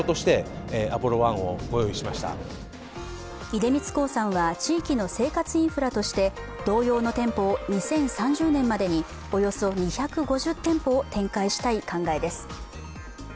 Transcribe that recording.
出光興産は地域の生活インフラとして同様の店舗を２０３０年までにおよそ２５０店舗を展開したい考えです。